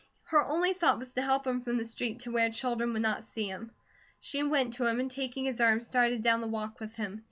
Her only thought was to help him from the street, to where children would not see him. She went to him and taking his arm started down the walk with him.